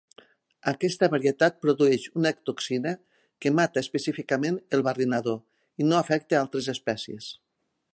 Aquesta varietat produeix una toxina que mata específicament el barrinador i no afecta altres espècies.